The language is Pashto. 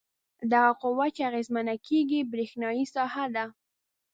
دغه قوه چې اغیزمنه کیږي برېښنايي ساحه ده.